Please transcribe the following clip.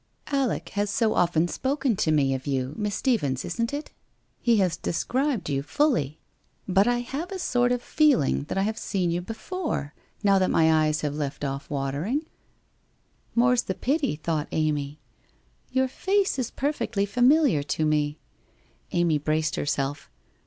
' Alec has so often spoken to me of you, Miss Stephens — isn't it ? He has described you fully. But I have a sort of feeling that I have seen you before, now that my eyes have left off watering '' More's the pity !' thought Amy. '— Your face is perfectly familiar io me.' Amy braced herself.